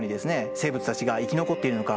生物たちが生き残っているのか。